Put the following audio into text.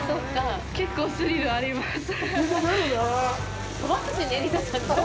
結構、スリルあります。